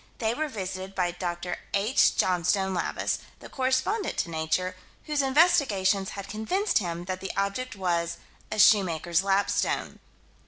They were visited by Dr. H. Johnstone Lavis, the correspondent to Nature, whose investigations had convinced him that the object was a "shoemaker's lapstone."